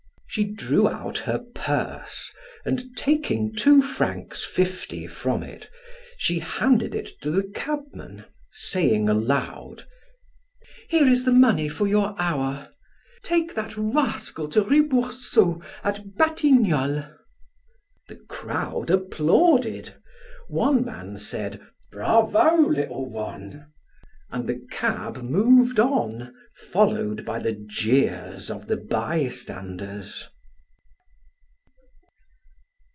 She drew out her purse, and taking two francs fifty from it, she handed it to the cabman, saying aloud: "Here is the money for your hour. Take that rascal to Rue Boursault at Batignolles!" The crowd applauded; one man said: "Bravo, little one!" and the cab moved on, followed by the jeers of the bystanders.